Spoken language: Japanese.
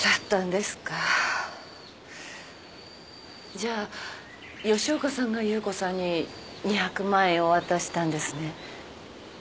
じゃあ吉岡さんが夕子さんに２００万円を渡したんですね？